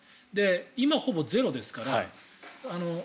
今、ほぼゼロですから。